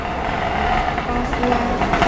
巴苏埃。